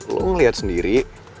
lo ngeliat sendiri